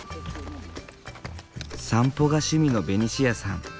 散歩が趣味のベニシアさん。